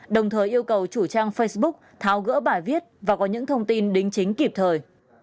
đồng thời yêu cầu chủ trang facebook tháo gỡ bài viết và có những thông tin đính chính kịp thời